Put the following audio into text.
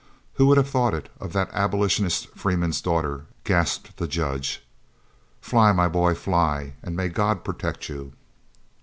"Who would have thought it, of that Abolitionist Freeman's daughter," gasped the Judge. "Fly, my boy, fly! and may God protect you."